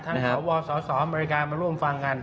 สวสสอเมริกามาร่วมฟังกัน